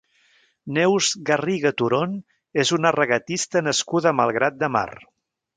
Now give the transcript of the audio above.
Neus Garriga Turón és una regatista nascuda a Malgrat de Mar.